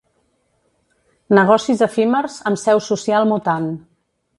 Negocis efímers amb seu social mutant.